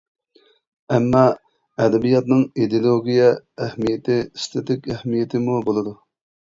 ئەمما، ئەدەبىياتنىڭ ئىدېئولوگىيە ئەھمىيىتى ئېستېتىك ئەھمىيىتىمۇ بولىدۇ.